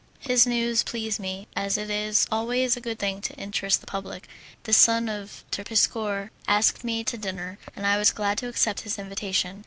His news pleased me, as it is always a good thing to interest the public. This son of Terpsichore asked me to dinner, and I was glad to accept his invitation.